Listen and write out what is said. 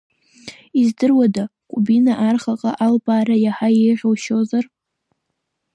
Издыруада Ҟәбина архаҟа албаара иаҳа еиӷьушьозар?